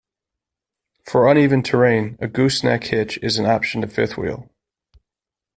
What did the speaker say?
For uneven terrain a gooseneck hitch is an option to fifth-wheel.